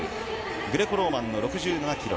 グレコローマンの６７キロ、